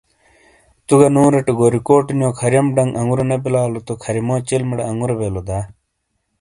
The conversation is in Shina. تو گہ نوروٹے گوریکوٹ نیو کھریم ڈنگ انگوروں نے بلالو تو کھریمو چلمٹے آنگورو بیلو دا؟